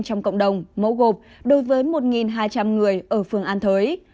trong cộng đồng mẫu gộp đối với một hai trăm linh người ở phường an thới